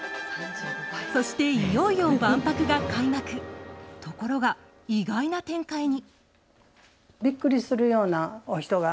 そして、いよいよ万博が開幕ところが、意外な展開に。